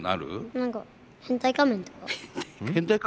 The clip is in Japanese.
何か変態仮面とか。